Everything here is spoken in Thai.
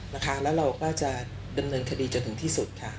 แล้วเราก็จะดำเนินคดีจนถึงที่สุดค่ะ